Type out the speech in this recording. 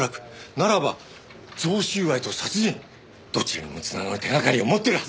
ならば贈収賄と殺人どちらにも繋がる手がかりを持っているはずです！